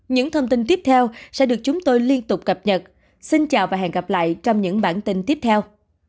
những thông tin tiếp theo sẽ được chúng tôi liên tục cập nhật xin chào và hẹn gặp lại trong những bản tin tiếp theo